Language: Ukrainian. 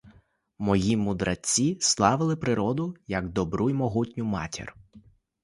Мої мудреці славили природу як добру й могутню матір.